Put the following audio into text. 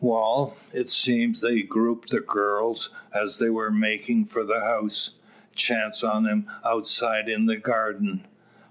Wal; it seems they grupped the gurls, as they war makin' for the house chanced on 'em outside in the garden.